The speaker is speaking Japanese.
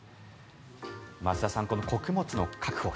増田さん、穀物の確保